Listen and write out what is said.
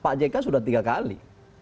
pak jk sudah tiga kali